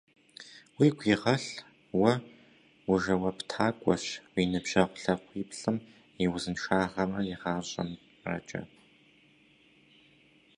Уигу игъэлъ: уэ ужэуаптакӏуэщ уи ныбжьэгъу лъакъуиплӏым и узыншагъэмрэ и гъащӏэмрэкӏэ.